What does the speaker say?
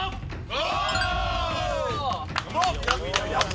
お！